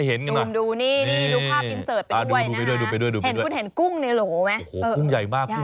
เป็นกุ้งของตัวใหญ่เลยค่ะ